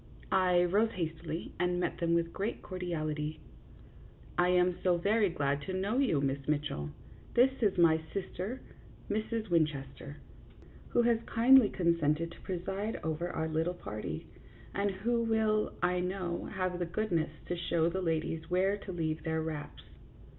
I rose hastily and met them with great cordiality. " I am so very glad to know you, Miss Mitchell. This is my sister, Mrs. Winchester, who has kindly THE JUDGMENT OF PARIS REVERSED. 69 consented to preside over our little party, and who will, I know, have the goodness to show the ladies where to leave their wraps."